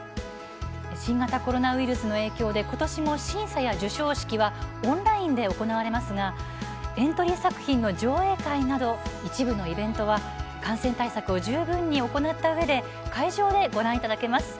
新型コロナウイルスの影響で、ことしも審査や授賞式はオンラインで行われますがエントリー作品の上映会など一部のイベントは感染対策を十分に行ったうえで会場でご覧いただけます。